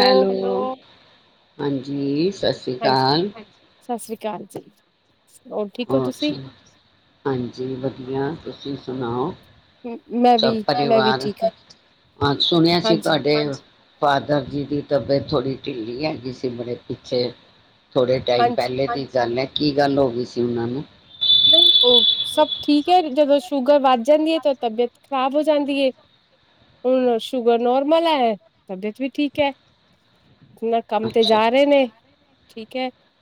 Hello ਹਾਂਜੀ। ਸਤਿ ਸ਼੍ਰੀ ਹਾਂਜੀ ਅਕਾਲ। ਸਤਿ ਸ੍ਰੀ ਅਕਾਲ ਜੀ। ਠੀਕ ਹੋ ਹੋਰ ਤੁਸੀਂ ਜੀ, ਹਾਂਜੀ ਵਧੀਆ। ਤੁਸੀਂ ਸੁਣਾਓ? ਮੈਂ ਵੀ ਸਭ ਮੈਂ ਵੀ ਪਰਿਵਾਰ। ਠੀਕ ਹੈ ਸੁਣਿਆ ਸੀ ਹਾਂਜੀ ਤੁਹਾਡੇ ਫਾਦਰ ਜੀ ਦੀ ਤਬੇਤ ਥੋੜ੍ਹੀ ਢਿੱਲੀ ਹੈਗੀ ਸੀ ਮੇਰੇ ਪਿੱਛੇ। ਥੋੜ੍ਹੇ ਟਾਈਮ ਹਾਂਜੀ ਪਹਿਲੇ ਦੀ ਗੱਲ ਹੈ। ਕੀ ਗੱਲ ਹੋ ਗਈ ਸੀ? ਇਹਨਾ ਨੂੰ ਨਹੀਂ ਉਹ ਸਭ ਠੀਕ ਹੈ। ਜਦੋਂ ਸ਼ੂਗਰ ਵੱਧ ਜਾਂਦੀ ਹੈ, ਤਾਂ ਤਬੀਅਤ ਖ਼ਰਾਬ ਹੋ ਜਾਂਦੀ ਹੈ, ਹੁਣ ਸ਼ੂਗਰ ਨੋਰਮਲ ਹੈ ਤਬੀਅਤ ਵੀ ਠੀਕ ਹੈ। ਇਨਾ ਕੰਮ ਤੇ ਅੱਛਾ ਜਾ ਰਹੇ ਨੇ ਠੀਕ ਹੈ। [unintelligible]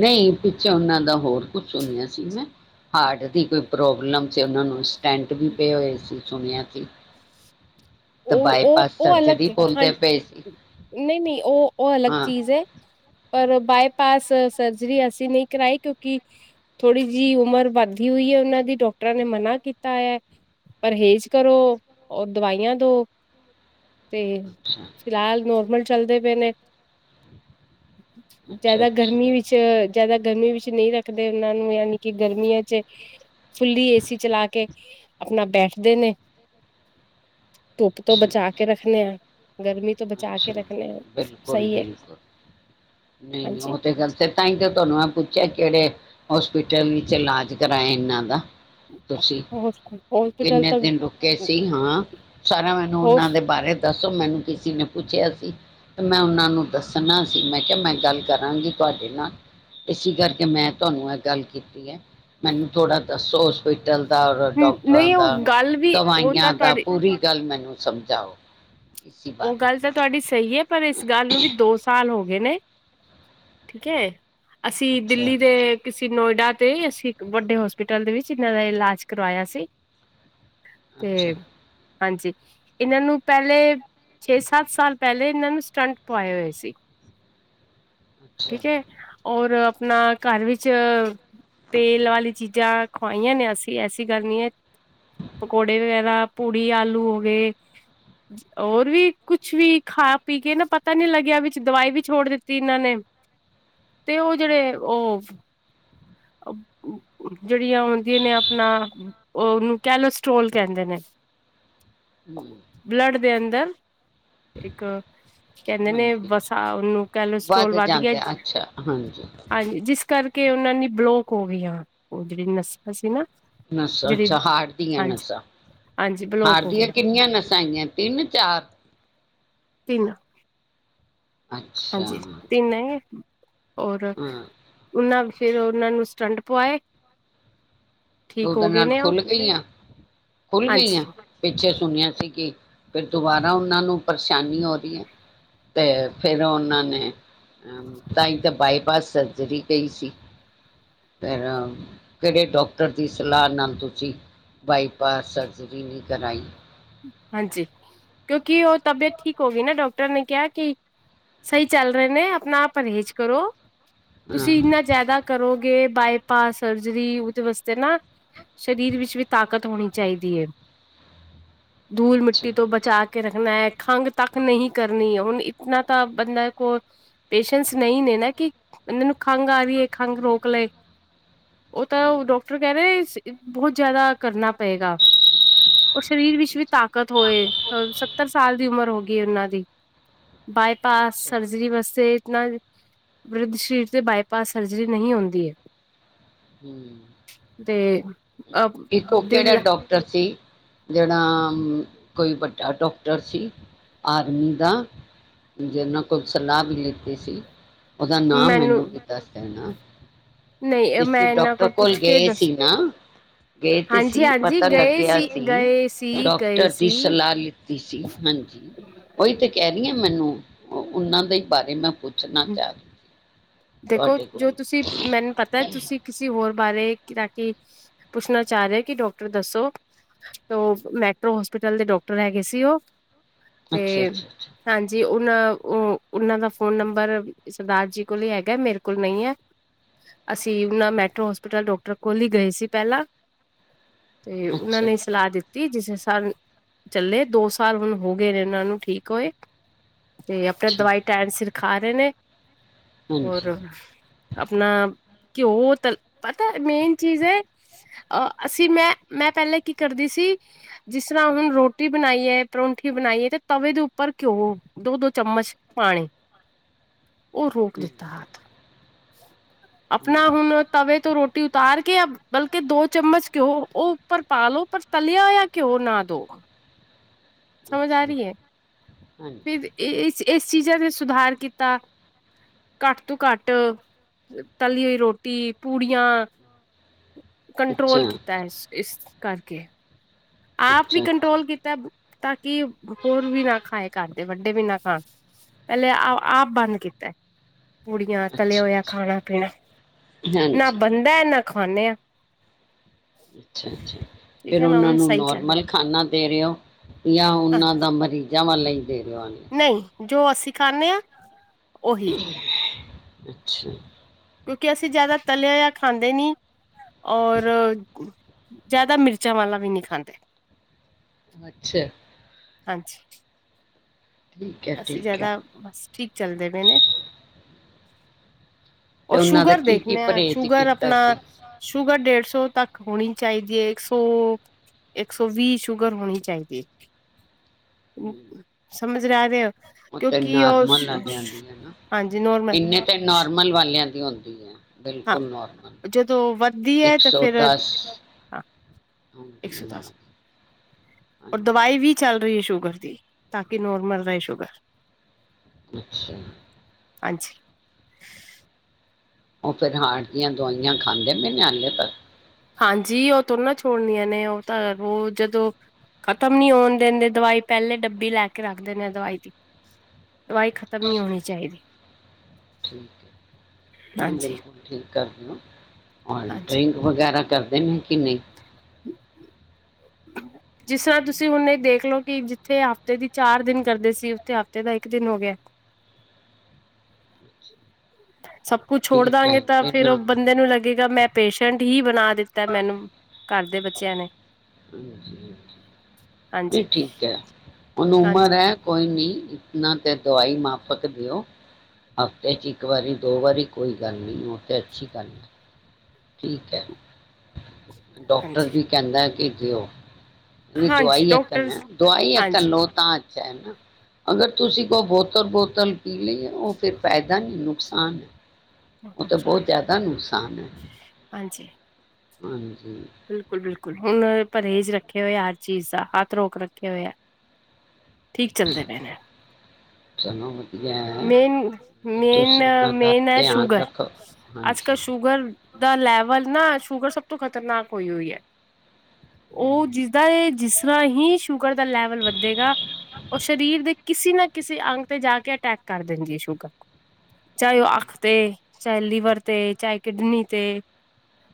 ਨਹੀਂ ਪਿੱਛੇ ਉਹਨਾਂ ਦਾ ਹੋਰ ਕੁਛ ਸੁੁੰਣਿਆ ਸੀ ਮੈਂ, ਹਾਰਟ ਦੀ ਕੋਈ ਪ੍ਰੋਬਲਮ ਤਸੀ ਉਹਨਾਂ ਨੂੰ। ਟੈਂਟ ਵੀ ਪਏ ਹੋਏ ਸੀ। ਸੁਣਿਆ ਸੀ ਤੇ ਉਹ ਉਹ ਬਾਈਪਾਸ ਉਹ ਸਰਜਰੀ ਅਲੱਗ ਹਾਂ ਬੋਲਦੇ ਪਏ ਸੀ ਨਹੀਂ ਨਹੀਂ ਉਹ [unintelligible] ਉਹ ਅਲੱਗ ਹਾਂ। ਚੀਜ਼ ਹੈ। ਪਰ ਬਾਏਪਸ ਸਰਜਰੀ ਅਸੀਂ ਨਹੀਂ ਕਰਾਈ ਕਿਉਂਕਿ? ਥੋੜ੍ਹੀ ਜਿਹੀ ਉਮਰ ਵੱਧਦੀ ਹੋਈ ਹੈ, ਉਹਨਾਂ ਦੀ ਡਾਕਟਰਾਂ ਨੇ ਮਨਾ ਕੀਤਾ ਹੈ। ਪਰਹੇਜ ਕਰੋ, ਉਹ ਦਵਾਈਆਂ ਦੁੋ ਤੇ ਅੱਛਾ, ਫਿਲਹਾਲ ਨੋਰਮਲ ਚਲਦੇ ਪਏ ਨੇ, ਅੱਛਾ, ਜਿਆਦਾ ਅੱਛਾ। ਗਰਮੀ ਵਿੱਚ, ਜ਼ਿਆਦਾ ਗਰਮੀ ਵਿੱਚ ਨਹੀਂ ਰੱਖਦੇ ਉਹਨਾਂ ਨੂੰ, ਯਾਨੀ ਕਿ ਗਰਮੀਆਂ ਚ ਫੁੱਲੀ ਏਸੀ ਚਲਾ ਕੇ ਆਪਣਾ ਬੈਠਦੇ ਨੇ। ਧੁੱਪ ਤੋਂ ਅੱਛਾ। ਬਚਾ ਕੇ ਰੱਖਣੇੇ ਆ। ਗਰਮੀ ਤੋਂ ਬਚਾ ਅੱਛਾ ਕੇ ਰੱਖਣੇ ਆ ਸਹੀ ਹੈ ਬਿਲਕੁਲ-ਬਿਲਕੁਲ, ਨਈਂ ਨਈਂ ਹਾਂਜੀ ਉਹ ਤੇ ਗਲ ਤੇ ਈ ਤਾਂ ਤੁਹਾਨੂੰ ਮੈਂ ਪੁੱਛਿਆ ਕਿਹੜੇ ਹੋਸਪਿਟਲ ਵਿੱਚ ਇਲਾਜ ਕਰਾਏ ਇਹਨਾਂ ਦਾ ਤੁਸੀਂ ਹੋਸਪਿਟਲ ਕਿੰਨੇ ਤਾਂ ਦਿਨ ਰੁਕੇ ਸੀ। ਹਾਂ, ਸਾਰਾ ਮੈਨੂੰ ਹੋ ਉਹਨਾਂ ਦੇ ਬਾਰੇ ਦੱਸੋ ਮੈਨੂੰ ਕਿਸੇ ਨੇ ਪੁੱਛਿਆ ਸੀ ਤੇ ਮੈਂ ਉਹਨਾਂ ਨੂੰ ਦੱਸਣਾ ਸੀ, ਮੈਂ ਕਿਹਾ ਮੈਂ ਗੱਲ ਕਰਾਂਗੀ। ਤੁਹਾਡੇ ਨਾਲ ਇਸੀ ਕਰਕੇ, ਮੈਂ ਤੁਹਾਨੂੰ ਇਹ ਗੱਲ ਕੀਤੀ ਐ। ਮੈਨੂੰ ਥੋੜ੍ਹਾ ਦੱਸੋ ਉਸ ਕੋ ਦਾ ਔਰ ਡਾਕਟਰਾਂ ਨਹੀਂ ਉਹ ਦਾ, ਗੱਲ ਵੀ ਉਹ ਤਾਂ ਦਵਾਈਆਂ ਦਾ ਤੁਹਾਡੀ ਪੂਰੀ ਗੱਲ ਮੈਨੂੰ ਸਮਝਾਓ। ਇਸੀ ਉਹ ਬਾਰੇ ਗੱਲ ਤਾਂ ਤੁਹਾਡੀ ਸਹੀ ਐ, ਪਰ ਇਸ ਗੱਲ ਨੂੰ ਵੀ ਦੋ ਸਾਲ ਹੋ ਗਏ ਨੇ। ਠੀਕ ਐ। ਅਸੀਂ ਅੱਛਾ ਦਿੱਲੀ ਦੇ ਕਿਸ ਅਸੀਂ ਨੋਇਡਾ ਤੇ ਅਸੀਂ ਇੱਕ ਵੱਡੇ ਹੋਸਪਿਟਲ ਦੇ ਵਿੱਚ ਇਹਨਾਂ ਦਾ ਇਲਾਜ ਕਰਵਾਇਆ ਸੀ। ਤੇ ਅੱਛਾ ਹਾਂਜੀ, ਇਹਨਾਂ ਨੂੰ ਪਹਿਲੇ ਛੇ-ਸੱਤ ਸਾਲ ਪਹਿਲੇ ਇਹਨਾਂ ਨੂੰ ਸਟੰਟ ਪਵਾਏ ਹੋਏ ਸੀ। ਅੱਛਾ ਠੀਕ ਐ, ਔਰ ਅ ਆਪਣਾ ਘਰ ਵਿੱਚ ਤੇਲ ਵਾਲੀ ਚੀਜ਼ਾਂ ਖਵਾਈਆਂ ਨੇਂ ਅਸੀਂ ਐਸੀ ਗੱਲ ਨੀਂ ਐ। ਪਕੌੜੇ ਵਗੈਰਾ ਪੂੜੀ ਆਲੂ ਹੋ ਗਏ ਹੋਰ ਵੀ ਕੁਛ ਵੀ ਖਾ ਪੀ ਕੇ ਨਾ ਪਤਾ ਨੀ ਲੱਗਿਆ ਵਿੱਚ ਦਵਾਈ ਵੀ ਛੋੜ ਦਿੱਤੀ ਇਹਨਾਂ ਨੇਂ ਤੇ ਉਹ ਜਿਹੜੇ ਉਹ ਜਿਹੜੀਆਂ ਉਹਦੀਆਂ ਨੇਂ ਆਪਣਾ ਉਹ ਉਹਨੂੰ ਕੈਲੋਸਟੋਲ ਕਹਿੰਦੇ ਨੇਂ ਹਮ, ਬਲੱਡ ਦੇ ਅੰਦਰ ਇੱਕ ਕਹਿੰਦੇ ਨੇ ਹਾਂਜੀ ਬਸਾਂ ਉਹਨੂੰ ਕੈਲਸਟਰੋਲ ਵੱਧ ਗਿਆ, ਜਾਂਦੇ ਅੱਛਾ ਹਾਂਜੀ ਹਾਂਜੀ। ਜਿਸ ਕਰਕੇ ਕੇ ਉਹਨਾਂ ਨੇ ਬਲੋਕ ਹੋ ਗਈ ਉਹ ਜਿਹੜੀ ਨਸਾਂ ਸੀ ਨਾ। ਨਸਾਂ ਜਿਹੜੀ ਅੱਛਾ ਹਾਰਟ ਦੀਆਂ ਹਾਂਜੀ ਨਸਾਂ ਹਾਂਜੀ ਬਲੋਕ ਹੋ ਹਾਰਦੀਆਂ ਗਈਆਂ ਕਿੰਨੀਆਂ ਨਸਾਂ ਆਈਆਂ ਤਿੰਨ -ਚਾਰ ਤਿੰਨ ਅੱਛਾ ਹਾਂਜੀ ਹਾਂ ਤਿੰਨ ਐਂ। ਔਰ ਉਹਨਾਂ ਫਿਰ ਉਹਨਾਂ ਨੂੰ ਸਟੰਟ ਪਵਾਏ। ਦੋ ਠੀਕ ਹੋ ਦਿਨ ਗਏ ਨਾਲ ਨੇ ਉਹ ਖੁੱਲ ਗਈਆਂ ਖੁੱਲ ਹਾਂਜੀ ਗਈਆਂ ਪਿੱਛੇ ਸੁਣਿਆ ਸੀ ਕਿ ਫਿਰ ਦੁਬਾਰਾ ਉਹਨਾਂ ਨੂੰ ਪਰੇਸ਼ਾਨੀ ਹੋ ਰਹੀ ਐ ਤੇ ਫਿਰ ਉਹਨਾਂ ਨੇ ਹ ਤਾਂ ਤਾਂ ਬਾਈ ਪਾਸ ਸਰਜਰੀ ਕਈ ਸੀ ਪੈਾਂ ਕਿਹੜੇ ਡੋਕ ਤਰ ਦੀ ਸਲਾਹ ਨਾਲ ਤੁਸੀਂ ਬਾਈਪਾਸ ਸਰਜਰੀ ਨਹੀਂ ਕਰਾਈ ਹਾਂਜੀ ਕਿਉਂਿ ਕਿ ਉਹ ਤਬੀਅਤ ਠੀਕ ਹੋ ਗਈ ਨਾ ਡਾਕਟਰ ਡਕਟਰ ਨੇ ਕਿਹਾ ਕਿ ਸਹੀ ਚੱਲ ਰਹੇ ਨੇ ਆਪਣਾ ਆਪ ਪਰਹੇਜ਼ ਕਰੋ ਹਾਂ ਤੁਸੀਂ ਇੰਨਾ ਜ਼ਿਆਦਾ ਕਰੋਗੇ ਬਾਏ ਾ ਸਰਜਰੀ ਉਹਦੇ ਵਾਸਤੇ ਨਾ ਸਰੀਰ ਵਿੱਚ ਵੀ ਤਾਕਤ ਹੋਣੀ ਚਾਹੀਦੀ ਹੈ ਧੂਲ ਅੱਛਾ। ਮਿੱਟੀ ਤੋਂ ਬਚਾ ਕੇ ਰ ਖਣਾ ਹੈ ਖੰਘ ਤੱਕ ਨਹੀਂ ਕਰਨੀ ਹੈ ਹੁਣ ਇਤਨਾ ਤਾਂ ਬੰਦਾ ਕੋਲ ਪੇਸ਼ੈਂਸ ਨਹੀਂ ਨੇ ਨਾ ਕਿ ਉਹ ਨੂੰ ਖੰਘ ਆ ਰਹੀ ਹੈ ਖੰਘ ਰੋਕ ਲਏ ਉਹ ਤਾਂ ਉਹ ਹੂੰ, ਡਾਕਟਰ ਕਹਿ ਰਹੇਹੇ ਸੀ। ਬਹੁਤ ਜਿਆਦਾ ਕਰਨਾ ਪਏਗਾ। ਔਰ ਸਰੀਰ ਵਿੱਚ ਵੀ ਅੱਛਾ, ਤਾਕਤ ਹੋਏ ਸੱਤਰ ਸਾਲ ਦੀ ਉਮਰ ਹੋ ਗਈ ਉਹਨਾਂ ਦੀ ਜੀ। ਬਾਏਪਸ ਅੱਛਾ, ਸਰਜਰੀ ਬੱਸੇ ਇਤਨਾ ਵਰਧ ਸਰੀਰ ਤੇ ਬਾਈਪਾਸ ਸਰਜਰੀ ਨਹੀਂ ਆਉਦੀ ਹੈ। ਤੇ ਅ ਇੱਕੋ ਦਿਲ ਕਿਹੜਾ ਡਾਕਟਰ ਸੀ। ਜਿਹੜਾ ਕੋਈ ਵੱਡਾ ਡਾਕਟਰ ਸੀ ਆਰਮੀ ਦਾ ਜਿਨਾਂ ਕੋਲ ਸਲਾਹ ਵੀ ਲਿੱਤੀ ਸੀ। ਉਹਦਾ ਨਾਮ ਮੈਨੂੰ ਕੀ ਦੱਸ ਦੇਣਾ। ਨਹੀਂ ਮੈਂ ਜ ਇਹਨਾਂ ਡਾਕਟਰ ਕੋਲ ਪੁੱਛ ਕੇ ਗਏ ਦੱਸ ਸੀ ਨਾ ਗਏ ਤੇ ਹਾਂਜੀ ਸੀ ਹਾਂਜੀ ਪਤਾ ਗਏ ਲੱਗਿਆ ਸੀ ਗਏ ਸੀ ਗਏ ਡਾਕਟਰ ਦੀ ਸੀ ਸਲਾਹ ਲਿੱਤੀ ਸੀ ਹਾਂਜੀ ਉਹੀ ਤੇ ਕਹਿ। ਮੈਨੂੰ ਉਹਨਾਂ ਦੇ ਬਾਰੇ ਮੈਂ ਪੁੱਛ ਦੇਖੋ ਜੋ ਕੋਲੋਂ ਤੁਸੀਂ ਮੈਨੂੰ ਪਤਾ ਤੁਸੀਂ ਕਿਸੇ ਹੋਰ ਬਾਰੇ ਕਿ ਪੁੱਛਣਾ ਚਾਹ ਰਹੇ ਹੋ ਕਿ ਡਾਕਟਰ ਦੱਸੋ ਤੇ ਮੈਟਰੋ ਹੋਸਪੀਟਲ ਦੇ ਡਾਕਟਰ ਹੈਗੇ ਸੀ ਉਹ ਤੇ ਅੱਛਾ ਅੱਛਾ ਹਾਂਜੀ ਉਹ ਉਹ ਉਹਨਾਂ ਦਾ ਫੋਨ ਨੰਬਰ ਸਰਦਾਰ ਜੀ ਕੋਲ ਹੀ ਹੈਗਾ ਮੇਰੇ ਕੋਲ ਨਹੀਂ ਹੈ ਅਸੀਂ ਉਹਨਾਂ ਮੈਟਰੋ ਹੋਸਪੀਟਲ ਡਾਕਟਰ ਕੋਲ ਹੀ ਗਏ ਸੀ ਪਹਿਲਾਂ ਤੇ ਅੱਛਾ ਉਹਨਾਂ ਅੱਛਾ ਨੇ ਸਲਾਹ ਦਿੱਤੀ। ਜਿਸ ਸਾਲ ਚੱਲੇ ਦੋ ਸਾਲ ਹੁਣ ਹੋ ਗਏ ਨੇ ਇਹਨਾਂ ਨੂੰ ਠੀਕ ਹੋਏ। ਤੇ ਆਪਣੇ ਅੱਛਾ ਦਵਾਈ ਟੈਣ ਸਿਰ ਆਰ ਨੇ ਹੋਰ ਹਾਂਜੀ ਆਪਣਾ ਘਿਓ ਤ ਪਤਾ ਮੇਨ ਚੀਜ਼ ਹੈ ਅਹ ਅਸੀਂ ਮੈਂ ਮੈਂ ਪਹਿਲਾਂ ਕੀ ਕਰਦੀ ਸੀ ਜਿਸ ਤਰ੍ਹਾਂ ਹੁਣ ਰੋਟੀ ਬਣਾਈ ਹੈ ਪਰੋਂਂਠੀ ਬਣਾਈ ਹੈ ਤੇ ਤਵੇ ਦੇ ਉੱਪਰ ਘਿਓ ਦੋ ਦੋ ਚਮਚ ਪਾਣੀ ਉਹ ਰੋਕ ਹਮ ਦਿੱਤਾੱਥ ਆਪਣਾ ਹਮ ਹੁਣ ਤਵੇ ਤੋਂ ਰੋਟੀ ਉਤਾਰ ਕੇ ਬਲਕਿ ਦੋ ਚਮਚ ਘਿਓ ਉਹ ਉੱਪਰ ਪਾਲੋ ਪਰ ਤਲਿਆ ਜਾਂ ਘਿਓ ਨਾ ਦੋ ਸਮਝ ਆ ਅੱਛਾ ਰਹੀ ਹੈ ਹਾਂਜੀ ਫਿਰ ਇਸ ਇਸ ਚੀਜ਼ਾਂ ਤੇ ਸੁਧਾਰ ਕੀਤਾ। ਘੱਟ ਤੋਂ ਘੱਟ ਤੱਲੀ ਹੋਈ ਰੋਟੀ ਪੂੜੀਆਂ ਅੱਛਾ ਕੰਟਰੋਲ ਕੀਤਾ ਹੈ ਇਸ ਇਸ ਕਰਕੇ ਆਪ ਵੀ ਅੱਛਾ ਅੱਛਾ ਕੰਟਰੋਲ ਕੀਤਾ। ਤਾਂ ਕਿ ਹੋਰ ਵੀ ਨਾ ਖਾਏ ਕਰਦੇ ਵੱਡੇ ਵੀ ਨਾ ਖਾਣ ਪਹਿਲੇ ਆਪ ਬੰਦ ਕੀਤਾ। ਪੁੜੀਆਂ ਤਲੇ ਅੱਛਾ ਹੋਇਆ ਅੱਛਾ ਖਾਣਾ ਪੀਣਾ ਨਾ ਹਾਂਜੀ ਬੰਦਾ ਨਾ। ਖਾਂਣੇ ਹਾ ਅੱਛਾ ਅੱਛਾ ਫੇਰ ਉਹਨਾਂ ਨੂੰ ਸਹੀ ਚੱਲ ਨੋਰਮਲ ਖਾਨਾ ਦੇ ਰਹੇ ਹੋ ਜਾਂ ਹਾਂ ਉਹਨਾਂ ਦਾ ਮਰੀਜ਼ਾਂ ਵਾਲਾ ਈ। ਦੇ ਰਹੇ ਹੋ। ਨਹੀਂ ਜੋ ਅਸੀਂ ਖਾਂਣੇ ਹਾਂ। ਓਹੀ ਅੱਛਾ। ਕਿਉਂਕਿ ਅਸੀਂ ਜਿਆਦਾ ਤਲਿਆ ਜਾਂ ਖਾਂਦੇ ਨਹੀਂ। ਔਰ ਜ਼ਿਆਦਾ ਮਿਰਚਾਂ ਵਾਲਾ ਵੀ ਨਹੀਂ ਖਾਂਦੇ। ਅੱਛਾ। ਹਾਂਜੀ। ਠੀਕ ਹੈ ਅਸੀਂ ਠੀਕ ਹੈ ਜਿਆਦਾ ਬਸ ਠੀਕ ਚੱਲਦੇ ਪਏ ਨੇ। ਔਰ ਤੇ ਉਹਨਾਂ ਦਾ ਸ਼ੂਗਰ ਕੀ ਕੀ ਦੇਖਦੇ ਆ ਪਰਹੇਜ਼ ਸ਼ੂਗਰ ਕੀਤਾ ਆਪਣਾ ਸੀ ਸ਼ੂਗਰ ਡੇਢ ਸੌ ਤੱਕ ਹੋਣੀ ਚਾਹੀਦੀ ਹੈ ਇੱਕ ਸੌ ਇੱਕ ਸੌ ਵੀਹ ਸ਼ੂਗਰ ਹੋਣੀ ਚਾਹੀਦੀ ਹੈ। [unintelligible] ਸਮਝ ਲੈ ਰਹੇ ਹੋ। ਉਹ ਤੇ ਕਿਉਂਕਿ ਉਹ ਨੋਰਮਲ ਵਾਲਿਆਂ ਦੀ ਨਾ ਹਾਂਜੀ ਨੋਰਮਲ ਇੰਨੇ ਤੇ ਨੋਰਮਲ ਵਾਲਿਆਂ ਦੀ ਹੁੰਦੀ ਹੈ। ਹਾਂ ਬਿਲਕੁਲ ਨੋਰਮਲ ਜਦੋਂ ਵੱਧਦੀ ਹੈ ਇੱਕ ਤਾਂ ਸੌ ਫਿਰ ਦਸ ਹਾਂ ਹੁੰਦੀ ਇੱਕ ਹੈ ਸੌ ਉਹਨਾਂ ਦਸ ਦੀ ਔਰ ਹਾਂਜੀ ਦਵਾਈ ਵੀ ਚੱਲ ਰਹੀ ਹੈ ਸ਼ੁਗਰ ਦੀ ਤਾਂ ਕਿ ਨੋਰਮਲ ਰਹੇ ਸ਼ੂਗਰ। ਅੱਛਾ। ਹਾਂਜੀ। ਉਹ ਫਿਰ ਹਾਟ ਦੀਆ ਦਵਾਈਆਂ ਖਾਂਦੇ ਨੇ ਨੇ ਨਿਆਣੇ ਲਤਾ ਹਾਂਜੀ, ਉਹ ਥੋੜੋ ਨਾਂ ਛੋੜਨੀਆਂ ਨੇ, ਉਹ ਤਾਂ ਉਹ ਜਦੋਂ ਖਤਮ ਨ ਹੋਣ ਦਿੰਦੇ ਦਵਾਈ ਪਹਿਲੇ ਡੱਬੀ ਲੈ ਕੇ ਰੱਖ ਦਿੰਦੇ ਦਵਾਈ ਦੀ। ਦਵਾਈ ਖਤਮ ਨੀਂ ਹੋਣੀ ਚਾਈਦੀ। ਠੀਕ ਐ, ਬਿਲਕੁਲ ਠੀਕ ਕਰਦੇ ਹੋ ਹਾਂਜੀ ਡਰਿੰਕ ਵਗੈਰਾ ਕਰਦੇ ਕਿ ਨਈਂ ਜਿਸ ਤਰ੍ਹਾਂ ਤੁਸੀਂ ਹੁਣ ਇਹ ਦੇਖ ਲਓ ਕਿ ਜਿੱਥੇ ਹਫ਼ਤੇ ਦੀ ਚਾਰ ਦਿਨ ਕਰਦੇ ਸੀ ਉੱਥੇ ਹਫ਼ਤੇ ਦਾ ਇੱਕ ਦਿਨ ਹੋ ਗਿਆ। ਸਭ ਕੁੱਛ ਛੋੜ ਠੀਕ ਹੈ ਦਾਂਗੇ ਤਾਂ ਤੇ ਫ਼ੇਰ ਨਾ ਉਹ ਬੰਦੇ ਨੂੰ ਲੱਗੇਗਾ ਮੈਂ ਪੇਸ਼ੈਂਟ ਹੀ ਬਣਾ ਦਿੱਤਾ ਮੈਨੂੰ ਘਰ ਦੇ ਬੱਚੇ ਅੱਚਿਆ ਨੇ ਹਾਂਜੀ, ਨਈਂ ਠੀਕ ਐ, ਹੁਣ ਹਾਂਜੀ, ਉਮਰ ਐ ਕੋਈ ਨੀਂ ਨਾਂ ਤਾਂ ਦਵਾਈ ਮਾਪਕ ਦਿਓ ਹਫ਼ਤੇ ਚ ਇੱਕ ਵਾਰੀ ਦੋ ਵਾਰੀ ਕੋਈ ਗੱਲ ਨ੍ਹੀਂ ਉਹ ਤਾਂ ਅੱਛੀ ਗੱਲ ਐ। ਠੀਕ ਐ। ਡਾਕਟਰ ਹਾਂਜੀ, ਵੀ ਕਹਿੰਦਾ ਕਿ ਜੀਓ। ਹਾਂਜੀ ਦਵਾਈ ਅੱਕਣ ਡਾਕਟਰ ਦਵਾਈ ਹਾਂਜੀ ਅੱਕਣ ਲੋਓ ਤਾਂ ਅ ਐ ਨਾ ਅਗਰ ਤੁਸੀਂ ਕੋ ਬੋਤਲ ਬੋਤਲ ਪੀ ਲਈਏ ਉਹ ਫਿਰ ਫਾਇਦਾ ਨਹੀਂ ਨੁਕਸਾਨ ਐ। ਉਹ ਤਾਂ ਬਹੁਤ ਨੁਕਸਾਨ ਹੈ ਜ਼ਿਆਦਾ ਨੁਸ ਸਾਨ ਐ। ਹਾਂਜੀ। ਹਂ ਬਿਲਕੁਲ ਬਿਲਕੁਲ, ਹੁਣ ਪਰਹੇਜ਼ ਰੱਖੇ ਹੋਏ ਆ ਹਰ ਚੀਜ਼ ਦਾ ਹੱਥ ਰੋਕ ਰੱਖੇ ਹੋਏ ਐ। ਠੀਕ ਚੱਲਦੇ ਚ- ਪਏ ਨੇਂ, ਚਲੋ ਵਧੀਆ ਹੈ ਮੇਨ ਤੇ ਮੇਨ ਤੁਸੀਂ ਉਹਨਾਂ ਦਾ ਮੇਨ ਐ ਧਿਆਨ ਸ਼ੂਗਰ ਰੱਖੋ ਅਜ ਕਲ ਹਾਂਜੀ ਸ਼ੂਗਰ ਦਾ ਲੈਵਲ ਨਾ ਸ਼ੂਗਰ ਸਭ ਤੋਂ ਖ਼ਤਰਨਾਕ ਹੋਈ ਹੋਈ ਐ। ਉਹ ਹਮ, ਜਿਸਦਾ ਜਿਸ ਰ੍ਹਾਂ ਹੀ ਸ਼ੂਗਰ ਦਾ ਲੈਵਲ ਵੱਧੇਗਾ ਉਹ ਸਰੀਰ ਦੇ ਕਿਸੇ ਨਾ ਕਿਸੇ ਅੰਗ ਤੇ ਜਾ ਕੇ ਅਟੈਕ ਕਰ ਦੇਂਦੀ ਸ਼ੂਗਰ ਚਾਹੇ ਉਹ ਅੱਖ ਅੱਛਾ, ਤੇ, ਚਾਹੇ ਲੀਵਰ ਤੇ, ਚਾਹੇ ਕਿਡਨੀ ਤੇ,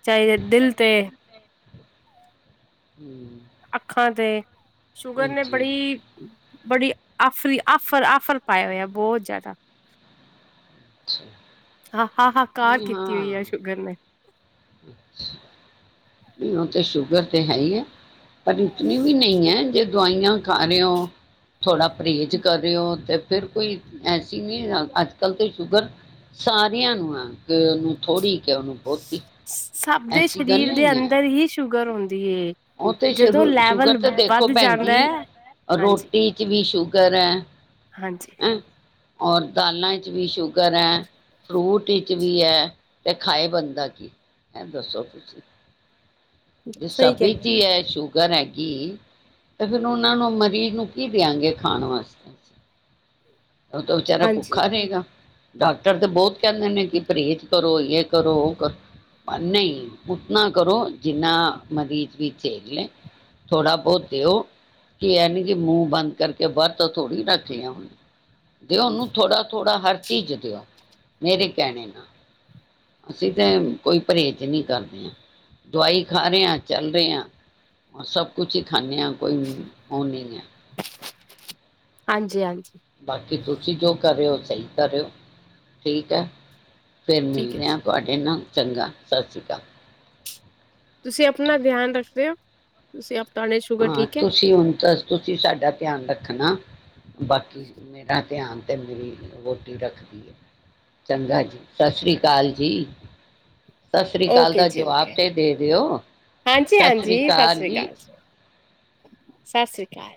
ਚਾਹੇ ਦਿਲ ਤੇ। ਹਂ ਅੱਖਾਂ ਤੇ ਸ਼ੂਗਰ ਨੇ ਹਾਂਜੀ ਬੜੀ ਬੜੀ ਆਫ਼ਰੀ, ਆਫਰ, ਆਫਰ ਪਏ ਹੋਆ ਬਹੁਤ ਜ਼ਿਆਦਾ ਅੱਛਾ ਹਾਂ, ਹਾਹਾਕਾਰ ਕੀਤੀ ਹੋਈ ਏ ਸ਼ੂਗਰ ਨੇਂ। ਇਹ ਤੇ ਸ਼ ਗਰ ਤੇ ਹੈ ਈ ਐ। ਪਰ ਇਤਨੀ ਵੀ ਨਈਂ ਐ ਜੇ ਦਵਾਈਆਂ ਖਾ ਰਹੇ ਹੋ, ਥੋੜ੍ਹਾ ਪਰਹੇਜ਼ ਕਰ ਰਹੇ ਹੋ ਤੇ ਫਿਰ ਕੋਈ ਐਸੀ ਨਈਂ ਅੱਜ ਕੱਲ ਤਾਂ ਸ਼ੂਗਰ ਸਾਰੀਆਂ ਨੂੰ ਹੈ ਕਿ ਉਹਨੂੰ ਥੋੜ੍ਹੀ ਕਿ ਉਹਨੂੰ ਬਹੁਤੀ ਸਭ ਦੇ ਐਸੀ ਗੱਲ ਸਰੀਰ ਦੇ ਨਹੀਂ ਹੈ ਅੰਦਰ ਹੀ ਸ਼ੂਗਰ ਹੁੰਦਾ। ਉਹ ਤੇ ਸ਼ੂ ਸ਼ੂਗਰ ਤੇ ਦੇਖੋ ਵੱਧ ਭੈਣ ਜਾਂਦਾ ਜੀ ਹੈ ਹਾਂਜੀ ਰੋਟੀ ਚ ਵੀ ਸ਼ੂਗਰ ਐ। ਹਾਂਜੀ ਔਰ ਦਾਲਾਂ ਚ ਵੀ ਸ਼ੁਗਰ ਹੈ, ਫਰੂਟ ਚ ਵੀ ਹੈ ਤੇ ਖਾਏ ਬੰਦਾ ਕੀ ਹੈਂ ਦੱਸੋ ਤੁਸੀਂ ਜੇ ਸਹੀ ਸਬਿਤ ਕਹਿਣਾ। ਹੀ ਸ਼ੂਗਰ ਹੈਗੀ ਤੇ ਫਿਰ ਉਹਨਾਂ ਨੂੰ ਮਰੀਜ਼ ਨੂੰ ਕੀ ਦਿਆਂਗੇ ਖਾਣ ਵਾਸਤੇ ਉਹ ਤਾਂ ਬੇਚਾਰਾ ਹਾਂਜੀ ਭੁੱਖਾ ਰਹੇਗਾ। ਡਾਕਟਰ ਤੇ ਬਹੁਤ ਕਹਿੰਦੇ ਨੇ ਕਿ ਪਰਹੇਜ਼ ਕਰੋ ਯੇ ਕਰੋ ਉਹ ਕਰੋ ਪਰ ਨਹੀਂ ਉਤਨਾ ਕਰੋ ਜਿੰਨਾ ਮਰੀਜ਼ ਵੀ ਝੇਲ ਲੇ ਥੋੜਾ ਬਹੁਤ ਦਿਓ ਕਿ ਐਨੀ ਕਿ ਮੂੰਹ ਬੰਦ ਕਰਕੇ ਵਰਤੋ ਥੋੜੀ ਰੱਖੀਆ ਜਦੋਂ ਉਹਨੂੰ ਥੋੜਾ ਥੋੜਾ ਹਰ ਚੀਜ਼ ਦਿਓ ਮੇਰੀ ਕੈਣੇ ਨਾਲ ਅਸੀਂ ਤਾਂ ਕੋਈ ਪਰਹੇਜ ਨਹੀਂ ਕਰਦੇ ਦਵਾਈ ਖਾ ਰਹੇ ਆ ਚੱਲ ਰਿਹਾ। ਸਭ ਕੁਝ ਹੀ ਖਾਨੇ ਆ ਕੋਈ ਓ ਨਹੀਂ ਹੈ। ਹਾਂਜੀ ਹਾਂਜੀ। ਬਾਕੀ ਤੁਸੀਂ ਜੋ ਕਰ ਰਹੇ ਹੋ ਸਹੀ ਕਰ ਰਹੇ ਹੋ ਠੀਕ ਹੈ। ਫੇਰ ਠੀਕ ਹੈ ਮਿਲਦੇ ਆ ਜੀ ਤੁਹਾਡੇ ਨਾਲ। ਚੰਗਾ ਸਤਿ ਸ਼੍ਰੀ ਅਕਾਲ। ਤੁਸੀਂ ਆਪਣਾ ਧਿਆਨ ਰੱਖਦੇ ਹੋ ਤੁਸੀਂ ਆਪਣਾ ਹਾਂ ਤੁਸੀਂ ਹੁਣ ਤਾਂ ਤੁਸੀਂ ਸਾਡਾ ਧਿਆਨ ਰੱਖ ਨਾ ਬਾਕੀ ਮੈ ਤਾਂ ਧਿਆਨ ਤੇ ਮੇਰੀ ਵੋਟੀ ਰੱਖਦੀ ਹੈ ਚੰਗਾ ਜੀ ਸਤਿ ਸ਼੍ਰੀ ਅਕਾਲ ਜੀ। ਸਤਿ ਸ੍ਰੀ ਅਕਾਲ ਓਕੇ ਦਾ ਜੀ ਜਵਾਬ ਓਕੇ ਤੇ ਦੇ ਦਿਓ ਹਾਂਜੀ ਸਤਿ ਸ੍ਰੀ ਹਾਂਜੀ ਸਤਿ ਅਕਾਲ ਸ੍ਰੀ ਜੀ। ਸਤਿ ਸ੍ਰੀ ਅਕਾਲ।